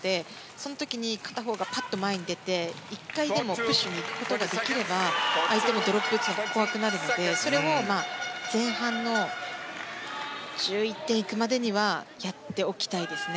その時に、片方がぱっと前に出て１回でもプッシュに行くことができれば相手もドロップを打つのが怖くなるのでそれを前半の１１点行くまでにはやっておきたいですね。